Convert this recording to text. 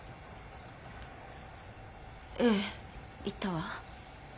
ええ言ったわ。